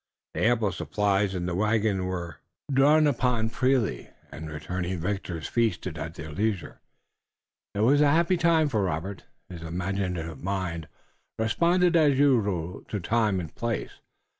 The ample supplies in the wagons were drawn upon freely, and the returning victors feasted at their leisure. It was a happy time for Robert. His imaginative mind responded as usual to time and place.